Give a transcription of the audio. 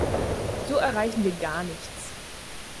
So erreichen wir gar nichts.